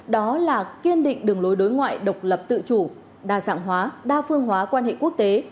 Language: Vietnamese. đó là kiên định đường lối đối ngoại độc lập tự chủ đa dạng hóa đa phương hóa quan hệ quốc tế